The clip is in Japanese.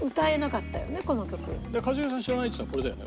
一茂さん「知らない」っつったのこれだよね？